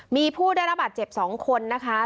มีผู้ได้รับบาดเจ็บ๒คนนะคะ